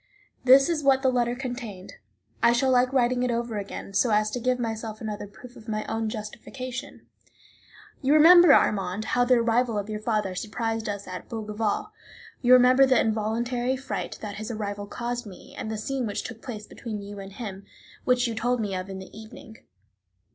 This is what the letter contained; I shall like writing it over again, so as to give myself another proof of my own justification. You remember, Armand, how the arrival of your father surprised us at Bougival; you remember the involuntary fright that his arrival caused me, and the scene which took place between you and him, which you told me of in the evening.